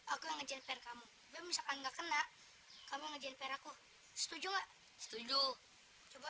aku ngejelper kamu bisa nggak kena kamu ngejelper aku setuju nggak setuju coba